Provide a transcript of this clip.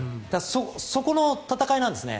そこの戦いなんですね。